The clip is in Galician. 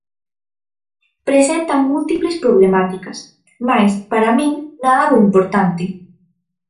Presentan múltiples problemáticas, mais, para min, nada do importante.